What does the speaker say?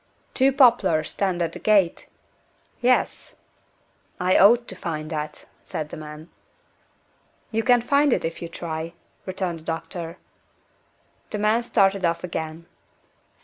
"Two poplars stand at the gate?" "Yes." "I ought to find that," said the man. "You can find it, if you try," returned the doctor. The man started off again.